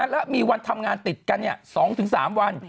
และมีวันทำงานติดกัน๒๓วัน